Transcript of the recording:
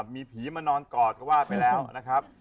มีผีมานอนกอดก็ว่าไปแล้วนะครับ